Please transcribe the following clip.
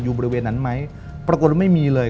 บริเวณนั้นไหมปรากฏว่าไม่มีเลย